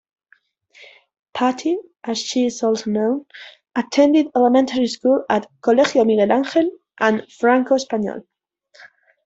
Paty-as she is also known-attended elementary school at "Colegio Miguel Angel" and "Franco-Espanol.